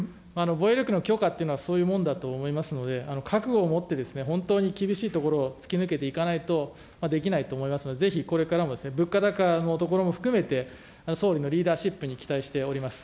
防衛力の強化というのはそういうもんだと思いますので、覚悟を持って、本当に厳しいところを突き抜けていかないとできないと思いますので、ぜひこれからも、物価高のところも含めて総理のリーダーシップに期待しております。